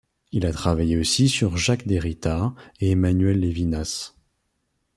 Il a travaillé aussi sur Jacques Derrida et Emmanuel Levinas.